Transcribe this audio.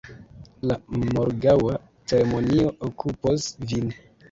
La morgaŭa ceremonio okupos vin.